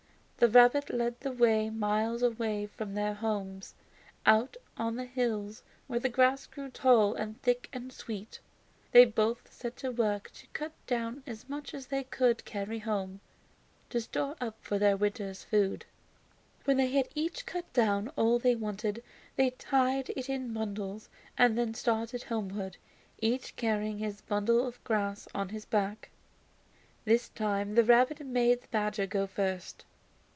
The rabbit led the way miles away from their homes, out on the hills where the grass grew tall and thick and sweet. They both set to work to cut down as much as they could carry home, to store it up for their winter's food. When they had each cut down all they wanted they tied it in bundles and then started homewards, each carrying his bundle of grass on his back. This time the rabbit made the badger go first.